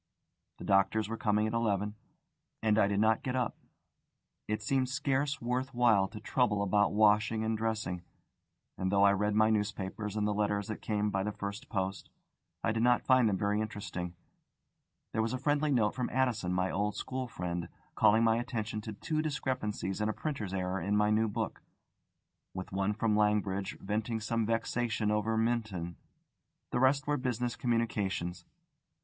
The doctors were coming at eleven, and I did not get up. It seemed scarce worth while to trouble about washing and dressing, and though I read my newspapers and the letters that came by the first post, I did not find them very interesting. There was a friendly note from Addison, my old school friend, calling my attention to two discrepancies and a printer's error in my new book, with one from Langridge venting some vexation over Minton. The rest were business communications.